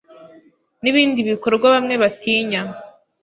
n’ibindi bikorwa bamwe batinya